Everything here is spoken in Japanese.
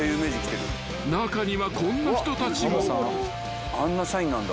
［中にはこんな人たちも］